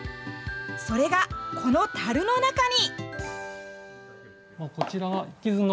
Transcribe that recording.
それが、このたるの中に。